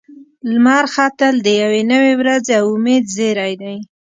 لمر ختل د یوې نوې ورځې او امید زیری دی.